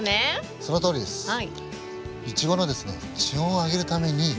そのとおりです。